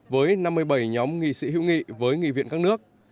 với năm mươi bảy nhóm nghị sĩ hữu nghị với nghị viện các nước